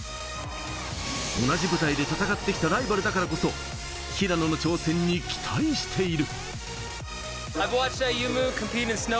同じ舞台で戦ってきたライバルだからこそ、平野の挑戦に期待している。